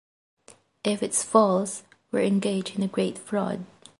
If it's false, we're engaged in a great fraud.